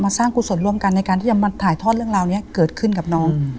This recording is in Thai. สร้างกุศลร่วมกันในการที่จะมาถ่ายทอดเรื่องราวนี้เกิดขึ้นกับน้อง